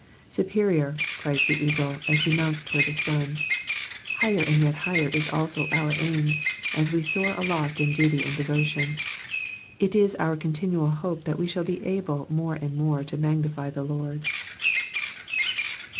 *^* Superior^'* cries the eagle, as he mounts towards the sun : higher and yet higher is also our aim, es we soar aloft in duty and devo tion. It is our continual hope that we shall be able more and more to magnify the Lord.